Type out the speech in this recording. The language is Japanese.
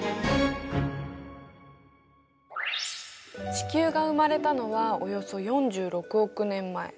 地球が生まれたのはおよそ４６億年前。